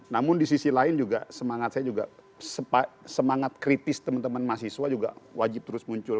namun di sisi lain juga semangat saya juga semangat kritis teman teman mahasiswa juga wajib terus muncul